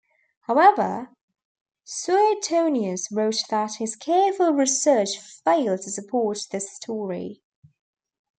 However, Suetonius wrote that his careful research failed to support this story.